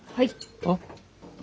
あっ。